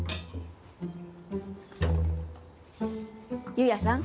夕也さん